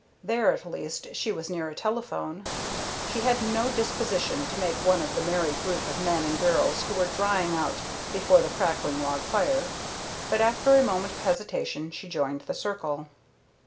There at least she was near a telephone. She had no disposition to make one of the merry group of men and girls who were drying out before the crackling log fire, but after a moment of hesitation she joined the circle.